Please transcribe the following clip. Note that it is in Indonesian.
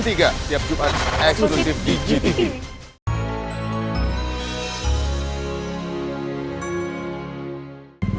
setiap jumat eksekutif di gtv